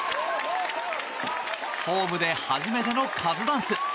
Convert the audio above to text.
ホームで初めてのカズダンス。